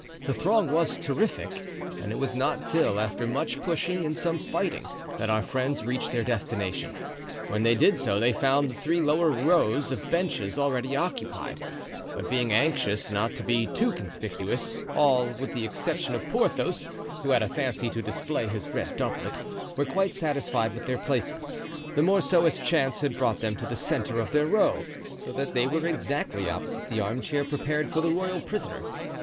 The throng was terrific, and it was not till after much pushing and some fighting that our friends reached their destination. When they did so they found the three lower rows of benches already occupied; but being anxious not to be too conspicuous, all, with the exception of Porthos, who had a fancy to display his red doublet, were quite satisfied with their places, the more so as chance had brought them to the centre of their row, so that they were exactly opposite the arm chair prepared for the royal prisoner.